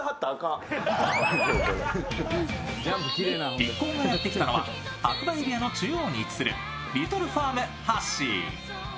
一行がやってきたのは白馬エリアの中央に位置するリトルファームハッシー。